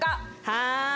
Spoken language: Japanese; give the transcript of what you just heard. はい。